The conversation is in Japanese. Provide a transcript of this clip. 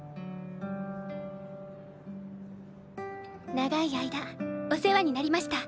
長い間お世話になりました。